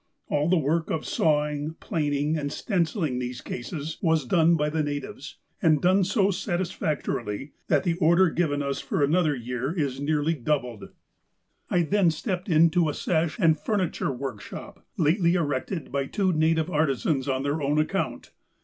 All the work of sawing, plan ing, and stencilling these cases, was done by the natives ; and done so satisfactorily, that the order given us for another year is nearly doubled. 308 THE APOSTLE OF ALASKA " I then stepped into a sash and furniture workshop, lately erected by two native artisans on their own account.